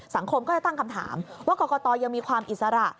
ก็จะตั้งคำถามว่ากรกตยังมีความอิสระ